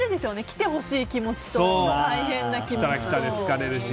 来てほしい気持ちと大変な気持ちと。